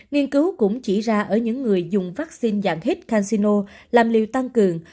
nghiên cứu cũng chỉ ra ở những người dùng vaccine dạng hít casino làm liều tăng cường